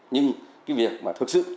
nhưng cái việc mà thực sự